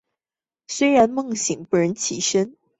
虽然梦醒不忍起身